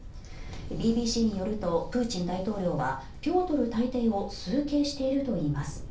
ＢＢＣによるとプーチン大統領はピョートル大帝を崇敬しているといいます。